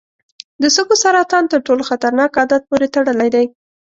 د سږو سرطان تر ټولو خطرناک عادت پورې تړلی دی.